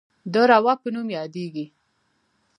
د روه په نوم یادیږي.